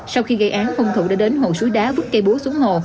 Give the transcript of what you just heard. sau khi gây án hung thủ đã đến hồ suối đá bứt cây búa xuống hồ